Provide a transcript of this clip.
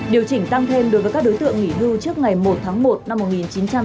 điều chỉnh tăng thêm đối với các đối tượng nghỉ hưu trước ngày một tháng một năm một nghìn chín trăm tám mươi